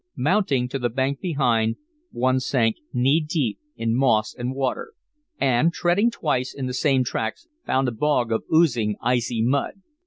Mounting to the bank behind, one sank knee deep in moss and water, and, treading twice in the same tracks, found a bog of oozing, icy mud.